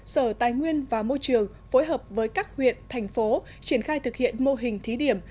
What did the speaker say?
sở tài nguyên và môi trường phối hợp với các huyện thành phố triển khai thực hiện mô hình thí điểm